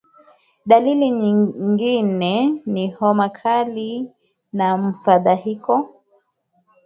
Dalili nyingine ni homa kali na mfadhaiko